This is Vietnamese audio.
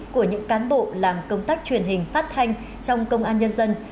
của những cán bộ làm công tác truyền hình phát thanh trong công an nhân dân